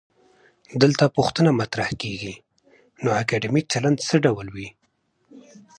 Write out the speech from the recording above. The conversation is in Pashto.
دلته پوښتنه مطرح کيږي: نو اکادمیک چلند څه ډول وي؟